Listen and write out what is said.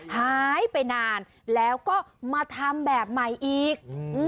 หายไปนานแล้วก็มาทำแบบใหม่อีก